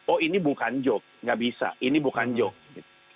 oh ini bukan joke nggak bisa ini bukan joke gitu